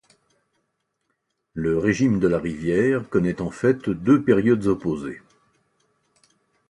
Le régime de la rivière connaît en fait deux périodes opposées.